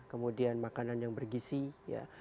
kemudian makanan yang bergisi ya